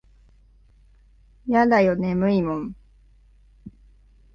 やだよ眠いもん。